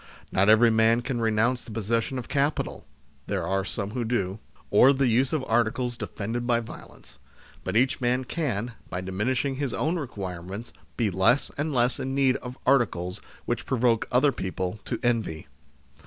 Not every man can renounce the possession of capital (there are some who do), or the use of articles defended by violence, but each man can, by diminishing his own requirements, be less and less in need of articles which provoke other people to envy.